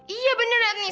iya bener lihat nih